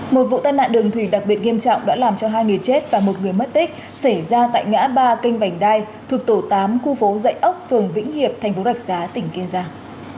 một vụ tai nạn đường thủy đặc biệt nghiêm trọng đã làm cho hai người chết và một người mất tích xảy ra tại ngã ba kênh vành đai thuộc tổ tám khu phố dạy ốc phường vĩnh hiệp tp rạch giá tỉnh kiên giang